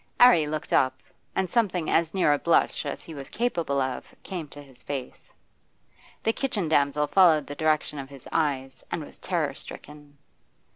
'Arry looked up, and something as near a blush as he was capable of came to his face. The kitchen damsel followed the direction of his eyes, and was terror stricken.